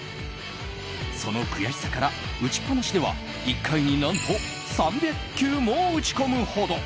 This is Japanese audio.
その悔しさから打ちっぱなしでは１回に何と３００球も打ち込むほど。